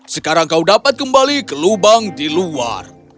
sekarang kau dapat kembali ke lubang di luar